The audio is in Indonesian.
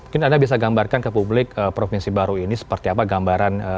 mungkin anda bisa gambarkan ke publik provinsi baru ini seperti apa gambaran